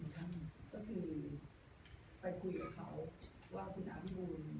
ก็คือไปคุยกับเขาว่าคุณอาพิบูรณ์